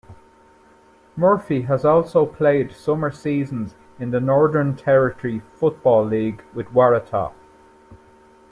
Murphy has also played summer seasons in the Northern Territory Football League with Waratah.